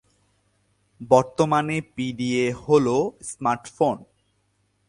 বর্তমানে P D A হল smart phone.